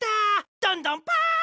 どんどんパン！